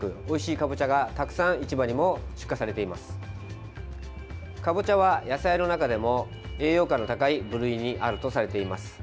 かぼちゃは野菜の中でも栄養価の高い部類にあるとされています。